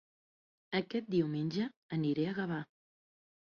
Aquest diumenge aniré a Gavà